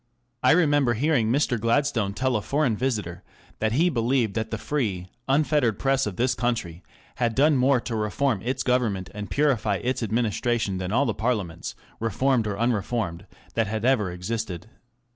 I remember hearing Mr. Gladstone tell a foreign visitor that he believed that the free, unfettered Press of this country had done more to reform its Government and purify its administration than all the Parliaments, refprmed or unreformed, that had ever existed.